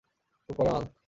খুব কড়া মাল।